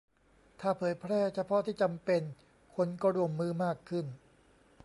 ถ้าเผยแพร่เฉพาะที่จำเป็น คนก็ร่วมมือมากขึ้น